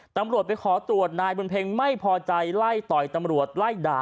ตำรวจไปขอตรวจนายบุญเพ็งไม่พอใจไล่ต่อยตำรวจไล่ด่า